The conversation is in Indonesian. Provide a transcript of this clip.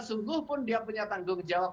sungguhpun dia punya tanggung jawab